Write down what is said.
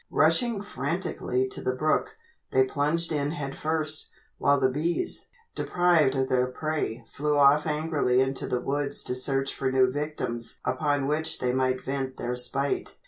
Rushing frantically to the brook, they plunged in head first, while the bees, deprived of their prey, flew off angrily into the woods to search for new victims upon whom they might vent their spite.